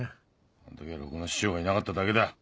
あん時はろくな師匠がいなかっただけだ。